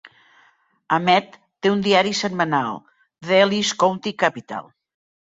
Amett té un diari setmanal: "The Ellis County Capital".